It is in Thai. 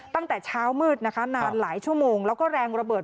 ตั้งแต่เช้ามืดนะคะนานหลายชั่วโมงแล้วก็แรงระเบิด